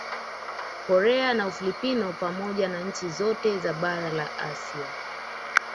Korea na Ufilipino pamoja na nchi zote za bara la Asia